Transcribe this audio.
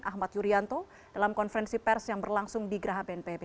hal ini disampaikan jurubicara pemerintah untuk percepatan penanganan covid sembilan belas